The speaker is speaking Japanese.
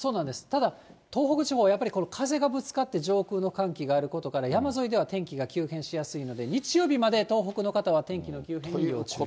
ただ、東北地方、この風がぶつかって上空の寒気があることから、山沿いでは天気が急変しやすいので、日曜日まで東北の方は天気の急変に要注意。